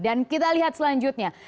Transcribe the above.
dan kita lihat selanjutnya